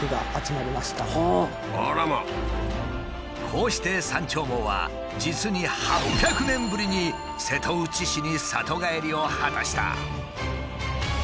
こうして「山鳥毛」は実に８００年ぶりに瀬戸内市に里帰りを果たした。